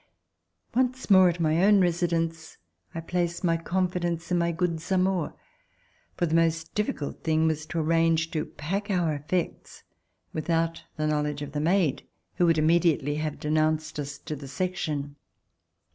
Once more at my own residence, I placed my confi dence in my good Zamore, for the most difficult thing was to arrange to pack our effects without the knowledge of the maid, who would immediately have denounced us to the Section.